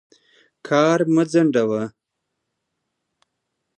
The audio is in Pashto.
کار مه ځنډوه.